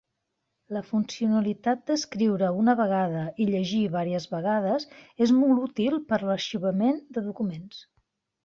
La funcionalitat d'escriure una vegada i llegir vàries vegades és molt útil per a l'arxivament de documents.